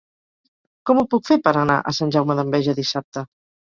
Com ho puc fer per anar a Sant Jaume d'Enveja dissabte?